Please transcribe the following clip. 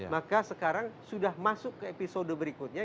maka sekarang sudah masuk ke episode berikutnya